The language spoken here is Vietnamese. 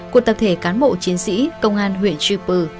cuộc tập thể cán bộ chiến sĩ công an huyện chi pu